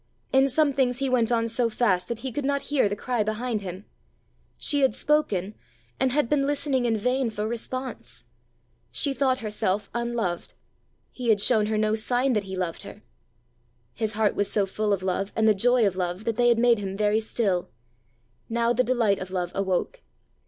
In some things he went on so fast that he could not hear the cry behind him. She had spoken, and had been listening in vain for response! She thought herself unloved: he had shown her no sign that he loved her! His heart was so full of love and the joy of love, that they had made him very still: now the delight of love awoke.